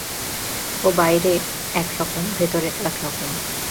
ও বাইরে একরকম– ভিতরে একরকম!